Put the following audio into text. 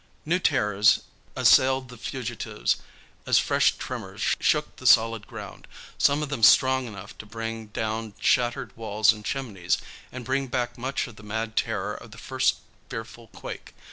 New terrors assailed the fugitives as fresh tremors shook the solid ground, some of them strong enough to bring down shattered walls and chimneys, and bring back much of the mad terror of the first fearful quake.